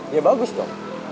ya bagus dong